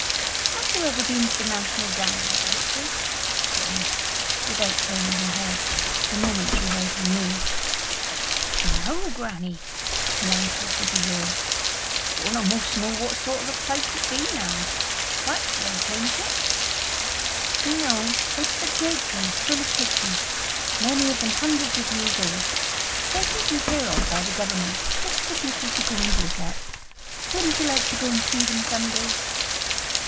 "Have you ever been to the National Gallery, Richard?" she asked, without turning her head, the moment she heard him move. "No, grannie," he answered with a yawn. "Don'a' most know what sort of a place it be now. Waxwork, ain't it?" "No. It's a great place full of pictures, many of them hundreds of years old. They're taken care of by the Government, just for people to go and look at. Wouldn't you like to go and see them some day?"